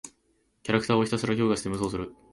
キャラクターをひたすらに強化して無双する。